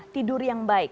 tidur yang baik